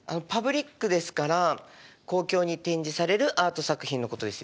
パブリックですから公共に展示されるアート作品のことですよね。